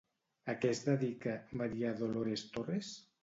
A què es dedica María Dolores Torres?